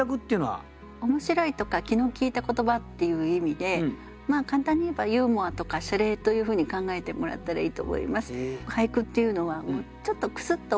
「面白い」とか「気の利いた言葉」っていう意味で簡単に言えば「ユーモア」とか「しゃれ」というふうに考えてもらったらいいと思います。